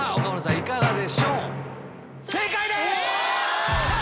いかがでしょう？